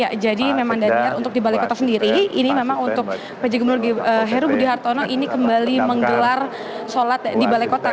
ya jadi memang daniar untuk di balai kota sendiri ini memang untuk pj gubernur heru budi hartono ini kembali menggelar sholat di balai kota